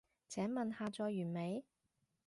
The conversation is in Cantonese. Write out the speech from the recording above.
請問下載完未？